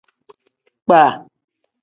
Kpaa.